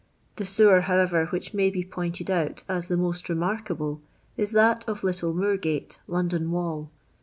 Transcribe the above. The sewer, however, which may be pointed out as the most remarkable is that of Little Moorgate, London wall.